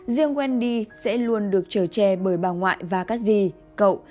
riêng wendy sẽ luôn được trở tre bởi bà ngoại và các dì cậu